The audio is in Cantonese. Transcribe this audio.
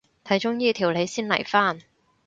睇中醫調理先嚟返